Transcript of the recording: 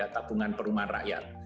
tabungan perumahan rakyat